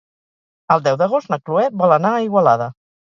El deu d'agost na Cloè vol anar a Igualada.